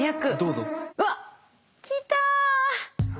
うわっ！来た蚊だ！